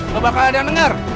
kebanyakan ada yang denger